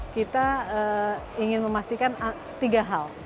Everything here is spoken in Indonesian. kita ingin memastikan tiga hal